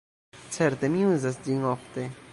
Certe, mi uzas ĝin ofte.